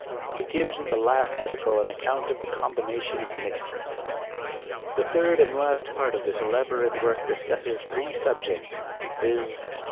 He gives in the last article an account of the combination of niixtB. The third and last part of this elaborate work dis . cusses threesubjects; viz.